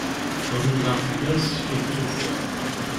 Ur nudaɣ fell-as, ur tt-ufiɣ.